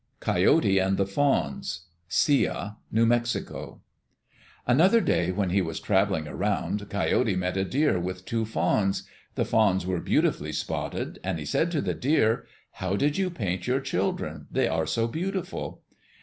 Coyote and the Fawns Sia (New Mexico) Another day when he was travelling around, Coyote met a deer with two fawns. The fawns were beautifully spotted, and he said to the deer, "How did you paint your children? They are so beautiful!"